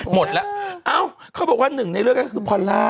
หมดแล้วเอ้าเขาบอกว่าหนึ่งในเรื่องก็คือพอลล่า